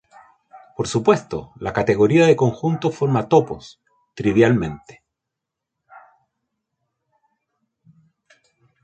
Por supuesto, la categoría de conjuntos forma topos, trivialmente.